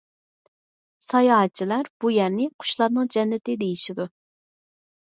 ساياھەتچىلەر بۇ يەرنى« قۇشلارنىڭ جەننىتى» دېيىشىدۇ.